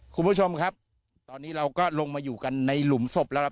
คุณผู้ชมครับตอนนี้เราก็ลงมาอยู่กันในหลุมศพแล้วครับ